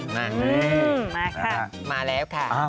มามาค่ะมาแล้วค่ะ